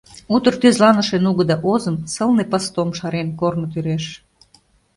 Утыр тӱзланыше нугыдо озым Сылне постом шарен корно тӱреш.